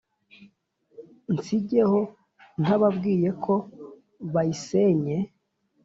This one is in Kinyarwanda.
nsigeho ntababwiye ko bayisenye?